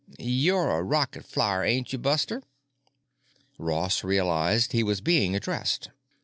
"You're a rocket flyer, ain't you, Buster?" Ross realized he was being addressed.